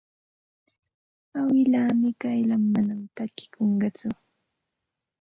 Awilaa Mikayla manam takikunqatsu.